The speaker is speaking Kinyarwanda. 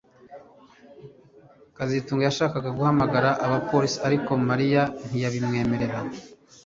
kazitunga yashakaga guhamagara abapolisi ariko Mariya ntiyamwemerera